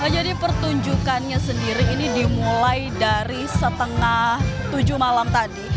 jadi pertunjukannya sendiri ini dimulai dari setengah tujuh malam tadi